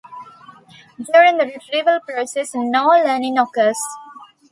During the retrieval process, no learning occurs.